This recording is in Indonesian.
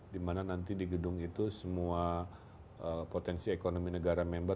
dimana nanti di gedung itu semua potensi ekonomi negara member